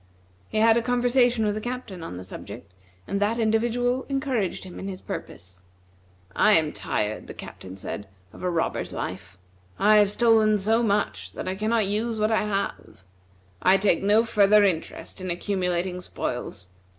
He had a conversation with the Captain on the subject, and that individual encouraged him in his purpose. "I am tired," the Captain said, "of a robber's life. I have stolen so much, that I cannot use what I have. I take no further interest in accumulating spoils.